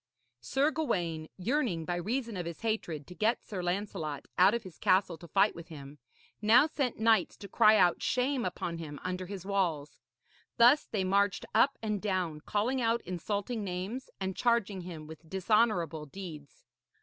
Sir Gawaine, yearning, by reason of his hatred, to get Sir Lancelot out of his castle to fight with him, now sent knights to cry out shame upon him under his walls. Thus they marched up and down, calling out insulting names and charging him with dishonourable deeds.